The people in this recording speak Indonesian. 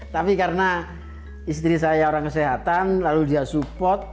tapi karena istri saya orang kesehatan lalu dia support